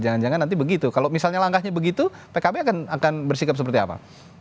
jangan jangan nanti begitu kalau misalnya langkahnya begitu pkb akan bersikap seperti apa